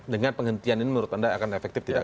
dengan penghentian ini menurut anda akan efektif tidak